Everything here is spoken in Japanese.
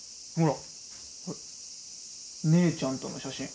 姉ちゃんとの写真。